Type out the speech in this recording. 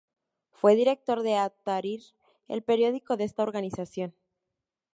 Fue director de "At-Tahrir", el periódico de esta organización.